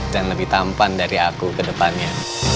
dan lebih tampan dari aku ke depannya